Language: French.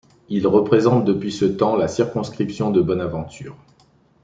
Il représente depuis ce temps la circonscription de Bonaventure.